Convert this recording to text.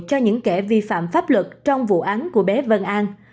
cho những kẻ vi phạm pháp luật trong vụ án của bé vân an